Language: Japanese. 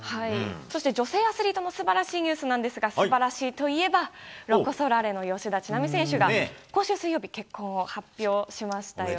そして女性アスリートのすばらしいニュースなんですが、すばらしいといえば、ロコ・ソラーレの吉田知那美選手が、今週水曜日、おめでとうございます。